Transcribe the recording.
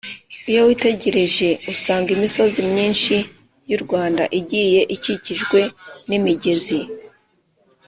iyo witegereje usanga imisozi myinshi y’u rwanda igiye ikikijwe n’imigezi,